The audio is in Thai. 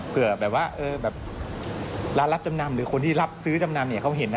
เผื่อแบบว่าร้านรับจำนำหรือคนที่รับซื้อจำนำเนี่ยเขาเห็นนะ